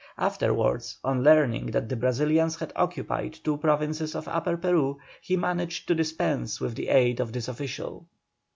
Afterwards, on learning that the Brazilians had occupied two provinces of Upper Peru, he managed to dispense with the aid of this official.